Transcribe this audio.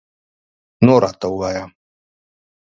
نور راته ووایه